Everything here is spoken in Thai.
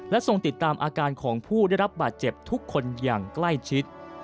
ทรงติดตามอาการของผู้ได้รับบาดเจ็บทุกคนอย่างใกล้ชิด